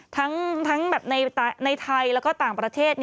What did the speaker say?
ทั้งในไทยแล้วก็ต่างประเทศ